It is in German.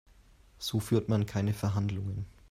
So führt man keine Verhandlungen.